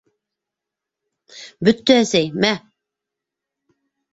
— Бөттө, әсәй, мә.